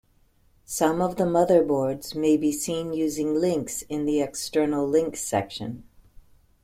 Some of the motherboards may be seen using links in the external links section.